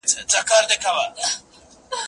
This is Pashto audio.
هغه څوک چي مکتب ځي زده کړه کوي!.